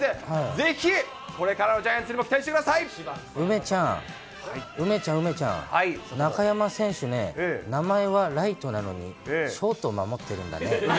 ぜひこれからのジャイアンツにも梅ちゃん、梅ちゃん、梅ちゃん、中山選手ね、名前はらいとなのにショートを守ってるよね。